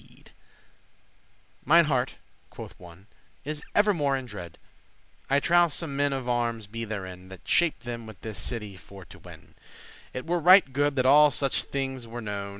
*tales of adventures Mine heart," quoth one, "is evermore in dread; I trow some men of armes be therein, That shape* them this city for to win: *design, prepare It were right good that all such thing were know."